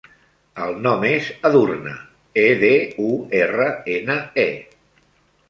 El nom és Edurne: e, de, u, erra, ena, e.